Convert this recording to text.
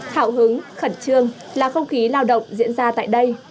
thảo hứng khẩn trương là không khí lao động diễn ra tại đây